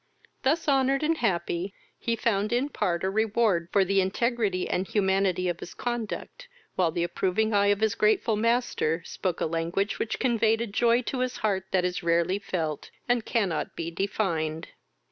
Thus honoured and happy, he found in part a reward for the integrity and humanity of his conduct, while the approving eye of his grateful master spoke a language which conveyed a joy to his heart that is rarely felt, and cannot be defined.